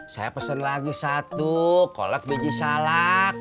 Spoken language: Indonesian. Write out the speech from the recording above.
saya pesen lagi satu kolek biji salak